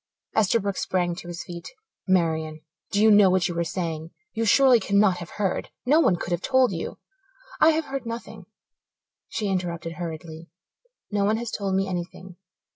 Esterbrook sprang to his feet. "Marian, do you know what you are saying? You surely cannot have heard no one could have told you " "I have heard nothing," she interrupted hurriedly. "No one has told me anything.